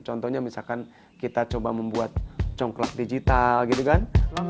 contohnya misalkan kita coba membuat congklak digital gitu kan